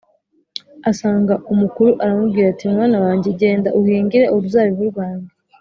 asanga umukuru aramubwira ati, ‘mwana wanjye genda uhingire uruzabibu rwanjye’